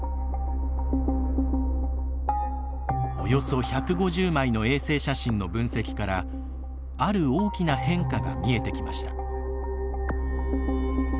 およそ１５０枚の衛星写真の分析からある大きな変化が見えてきました。